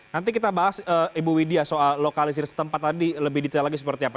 nanti kita bahas ibu widya soal lokalisir setempat tadi lebih detail lagi seperti apa